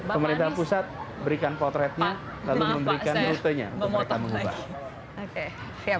pemerintah pusat berikan potretnya lalu memberikan rutenya untuk mereka mengubah